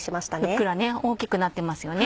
ふっくら大きくなってますよね。